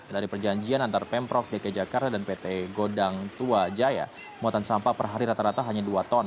dari perjanjian antar pemprov dki jakarta dan pt godang tua jaya muatan sampah per hari rata rata hanya dua ton